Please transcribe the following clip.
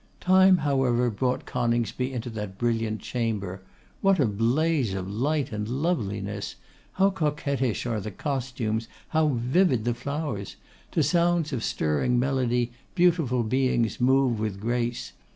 Time, however, brought Coningsby into that brilliant chamber. What a blaze of light and loveliness! How coquettish are the costumes! How vivid the flowers! To sounds of stirring melody, beautiful beings move with grace.